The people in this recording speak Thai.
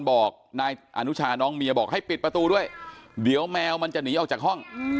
บอกนายอนุชาน้องเมียบอกให้ปิดประตูด้วยเดี๋ยวแมวมันจะหนีออกจากห้อง